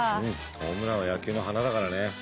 ホームランは野球の華だからね。